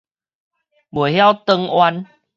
袂曉轉彎